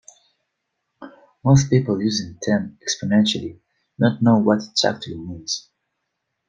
Most people using the term "exponentially" don't know what it actually means.